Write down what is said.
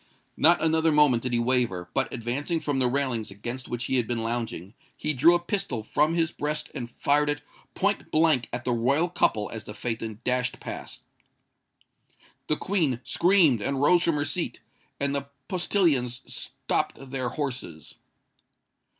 Not another moment did he waver; but, advancing from the railings against which he had been lounging, he drew a pistol from his breast and fired it point blank at the royal couple as the phaeton dashed past. The Queen screamed and rose from her seat; and the postillions stopped their horses.